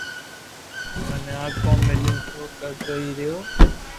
مني آ ڪوم ميليو ھي تو ڪرتو ھي رھيو